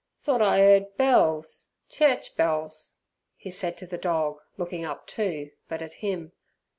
"Thort I 'eard bells church bells," he said to the dog looking up too, but at him.